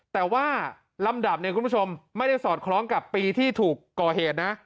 แต่ว่าลำดับไม่ได้สอดคล้องกับปีที่ถูกก่อเหตุ